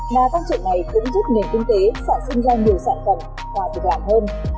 và tăng trưởng này cũng giúp nền kinh tế sản sinh ra nhiều sản phẩm và thực lạc hơn